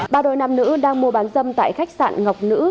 ba đôi nam nữ đang mua bán dâm tại khách sạn ngọc nữ